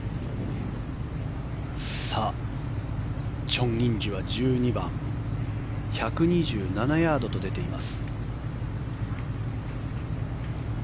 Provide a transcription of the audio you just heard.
チョン・インジは１２番１２７ヤードと出ています。